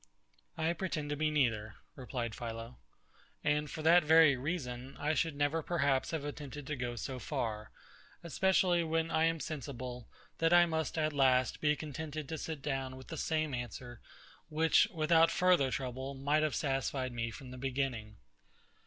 I pretend to be neither, replied PHILO: And for that very reason, I should never perhaps have attempted to go so far; especially when I am sensible, that I must at last be contented to sit down with the same answer, which, without further trouble, might have satisfied me from the beginning.